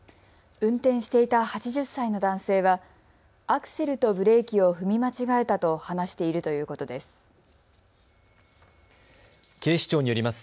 運転していた８０歳の男性はアクセルとブレーキを踏み間違えたと話しているということです。